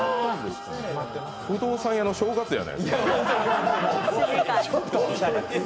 不動産屋の正月やないですか。